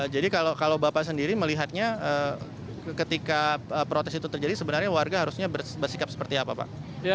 jadi kalau bapak sendiri melihatnya ketika protes itu terjadi sebenarnya warga harusnya bersikap seperti apa pak